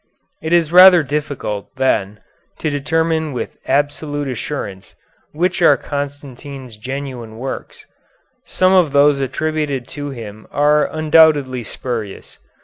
It is rather difficult, then, to determine with absolute assurance which are Constantine's genuine works. Some of those attributed to him are undoubtedly spurious.